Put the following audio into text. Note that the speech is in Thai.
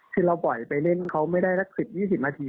ที่เราบ่อยไปเล่นเขาไม่ได้ละ๑๐๒๐นาที